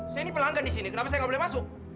saya ini pelanggan di sini kenapa saya nggak boleh masuk